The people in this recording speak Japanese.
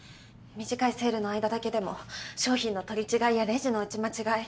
短いセールの間だけでも商品の取り違いやレジの打ち間違い